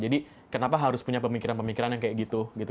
jadi kenapa harus punya pemikiran pemikiran yang kayak gitu